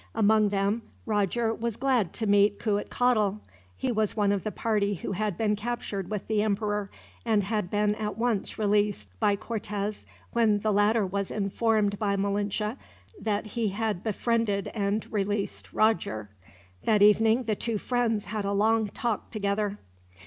Among them, Roger was glad to meet Cuitcatl. He was one of the party who had been captured with the emperor; and had been at once released, by Cortez, when the latter was informed by Malinche that he had befriended and released Roger. That evening, the two friends had a long talk together.